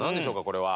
これは。